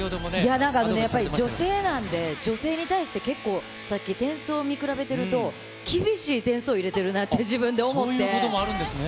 なんかね、やっぱり女性なんで、女性に対して結構、さっき、点数を見比べてると、厳しい点数を入れてるなって、そういうこともあるんですね？